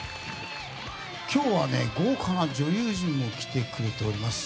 今日は豪華な女優陣も来てくれています。